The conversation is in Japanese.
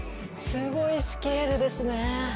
すごいスケールですね。